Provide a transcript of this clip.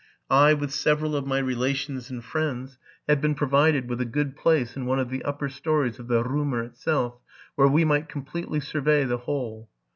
I, with several of my relations and friends, had been provided with a good place in one of the upper stories of the Romer itself, where we might completely survey the whole.